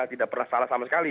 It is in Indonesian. tidak pernah salah sama sekali